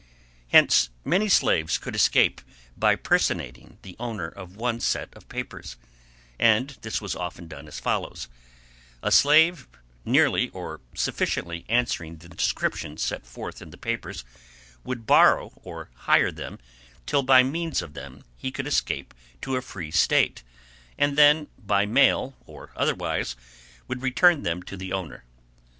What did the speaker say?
Hence many slaves could escape by personating the owner of one set of papers; and this was often done as follows: A slave, nearly or sufficiently answering the description set forth in the papers, would borrow or hire them till by means of them he could escape to a free State, and then, by mail or otherwise, would return them to the owner.